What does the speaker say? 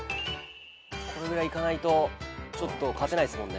これぐらいいかないと勝てないっすもんね。